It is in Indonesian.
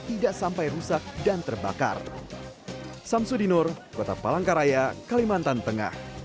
tidak sampai rusak dan terbakar samsudinur kota palangkaraya kalimantan tengah